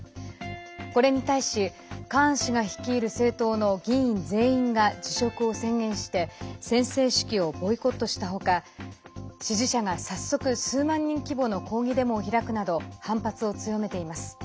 これに対しカーン氏が率いる政党の議員全員が辞職を宣言して宣誓式をボイコットしたほか支持者が早速数万人規模の抗議デモを開くなど反発を強めています。